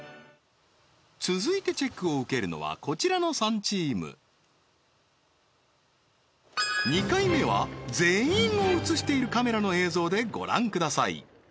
続いてチェックを受けるのはこちらの３チーム２回目は全員を映しているカメラの映像でご覧ください